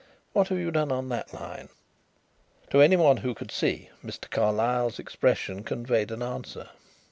What have you done on that line?" To anyone who could see, Mr. Carlyle's expression conveyed an answer.